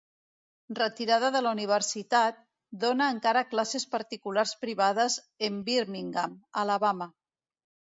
Retirada de la Universitat, dóna encara classes particulars privades en Birmingham, Alabama.